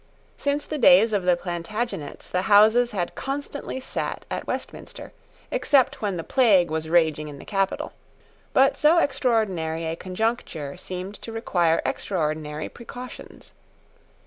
Since the days of the Plantagenets the Houses had constantly sat at Westminster, except when the plague was raging in the capital: but so extraordinary a conjuncture seemed to require extraordinary precautions.